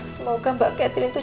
semoga mbak catherine tuh